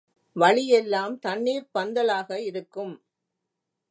வழியெல்லாம் தண்ணீர்ப் பந்தலாக இருக்கும்.